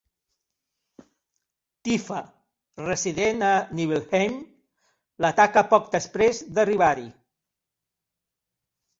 Tifa, resident a Nibelheim, l'ataca poc després d'arribar-hi.